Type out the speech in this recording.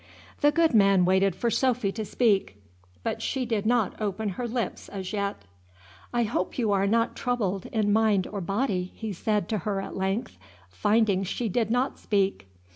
The good man waited for Sophy to speak; but she did not open her lips as yet. "I hope you are not troubled in mind or body," he said to her at length, finding she did not speak.